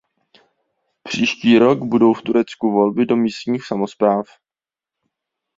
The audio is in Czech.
Příští rok budou v Turecku volby do místních samospráv.